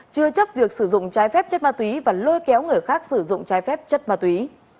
chưa chấp việc sử dụng trái phép chất ma túy và lôi kéo người khác sử dụng trái phép chất ma túy